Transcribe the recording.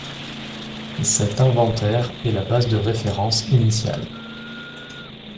Cet inventaire est la base de référence initiale.